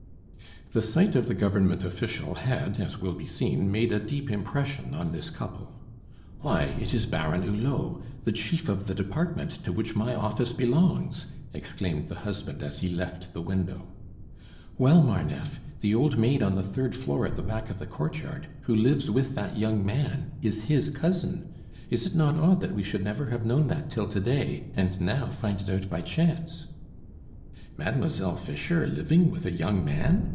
The sight of the Government official had, as will be seen, made a deep impression on this couple. "Why, it is Baron Hulot, the chief of the department to which my office belongs!" exclaimed the husband as he left the window. "Well, Marneffe, the old maid on the third floor at the back of the courtyard, who lives with that young man, is his cousin. Is it not odd that we should never have known that till to day, and now find it out by chance?" "Mademoiselle Fischer living with a young man?"